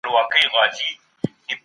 اسلام د غريبو ملاتړ کوي.